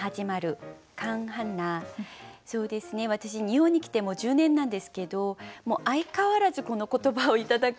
私日本に来てもう１０年なんですけど相変わらずこの言葉を頂くんですね。